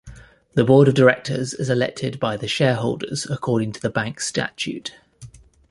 The Board of Directors is elected by the shareholders according to the bank statute.